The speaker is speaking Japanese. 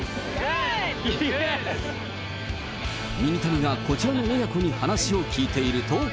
ミニタニがこちらの親子に話を聞いていると。